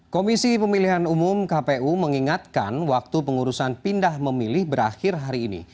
komisi pemilihan umum kpu mengingatkan waktu pengurusan pindah memilih berakhir hari ini